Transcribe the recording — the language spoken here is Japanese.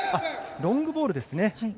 ロングボールですね。